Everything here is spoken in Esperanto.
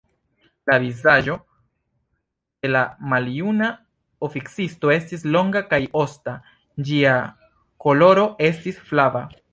La vizaĝo de la maljuna oficisto estis longa kaj osta, ĝia koloro estis flava.